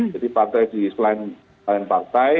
jadi partai di selain partai